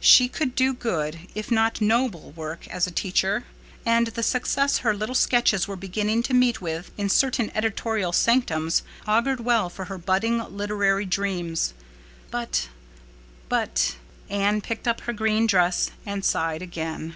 She could do good, if not noble, work as a teacher; and the success her little sketches were beginning to meet with in certain editorial sanctums augured well for her budding literary dreams. But—but—Anne picked up her green dress and sighed again.